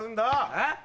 えっ？